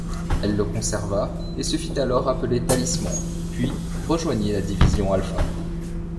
Elle le conserva et se fit alors appeler Talisman, puis rejoignit la Division Alpha.